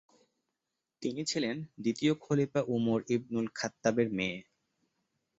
তিনি ছিলেন দ্বিতীয় খলিফা উমর ইবনুল খাত্তাবের মেয়ে।